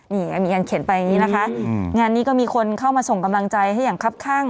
นี่มีการเขียนไปอย่างนี้นะคะงานนี้ก็มีคนเข้ามาส่งกำลังใจให้อย่างคับข้าง